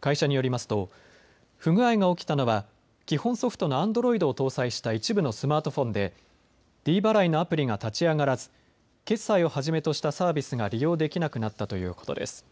会社によりますと不具合が起きたのは基本ソフトのアンドロイドを搭載した一部のスマートフォンでｄ払いのアプリが立ち上がらず決済をはじめとしたサービスが利用できなくなったということです。